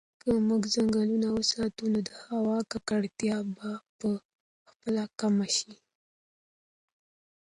که موږ ځنګلونه وساتو نو د هوا ککړتیا به په خپله کمه شي.